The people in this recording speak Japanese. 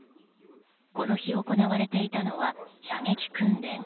この日、行われていたのは射撃訓練。